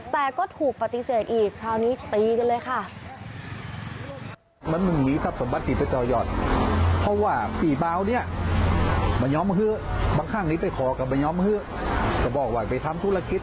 แต่ก็ถูกปฏิเสธอีกคราวนี้ตีกันเลยค่ะ